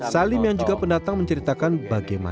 salim yang juga pendatang menceritakan bagiannya